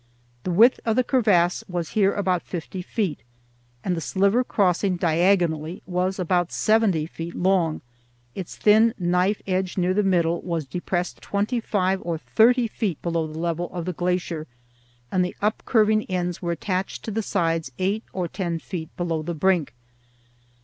The width of the crevasse was here about fifty feet, and the sliver crossing diagonally was about seventy feet long; its thin knife edge near the middle was depressed twenty five or thirty feet below the level of the glacier, and the upcurving ends were attached to the sides eight or ten feet below the brink.